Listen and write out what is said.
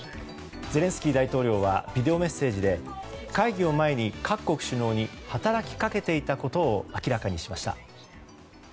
ゼレンスキー大統領はビデオメッセージで会議を前に各国首脳に働きかけていたことを明らかにしました。